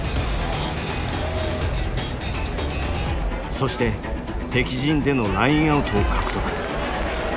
そして敵陣でのラインアウトを獲得。